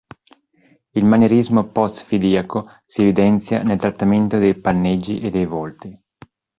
Il manierismo post-fidiaco si evidenzia nel trattamento dei panneggi e dei volti.